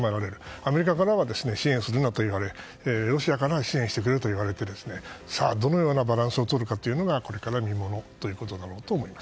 アメリカからは支援するなと言われロシアからは支援してくれと言われてどのようなバランスをとるかこれから見ものだと思います。